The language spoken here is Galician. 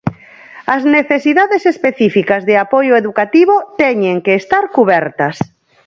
As necesidades específicas de apoio educativo teñen que estar cubertas.